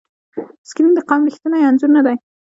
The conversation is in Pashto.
سکرین د قوم ریښتینی انځور نه دی.